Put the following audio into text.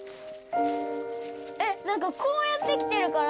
えっなんかこうやってきてるから。